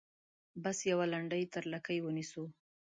بس یوه لنډۍ تر لکۍ ونیسو.